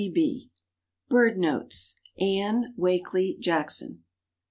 _ BIRD NOTES. ANNE WAKELY JACKSON.